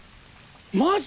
マジ！？